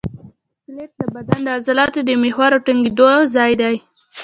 سکلیټ د بدن د عضلو د محور او ټینګېدو ځای دی.